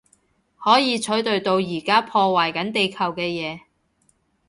可以取代到而家破壞緊地球嘅嘢